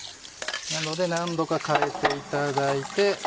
なので何度か替えていただいて。